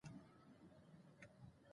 پامیر د افغانستان د ځایي اقتصادونو بنسټ دی.